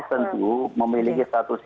pks tentu memiliki status